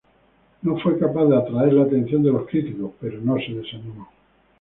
No fue capaz de atraer la atención de los críticos, pero no se desanimó.